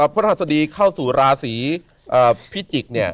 พฤศพดีเข้าสู่ราศีพิจิก